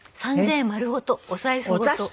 ３０００円丸ごとお財布ごと。